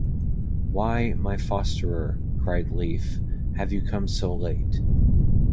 "Why, my fosterer," cried Leif, "have you come so late?